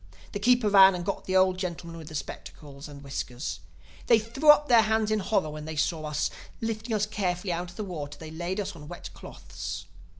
The keeper ran and got the old gentlemen with spectacles and whiskers. They threw up their hands in horror when they saw us. Lifting us carefully out of the water they laid us on wet cloths.